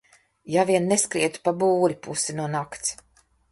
Ja vien neskrietu pa būri pusi no nakts...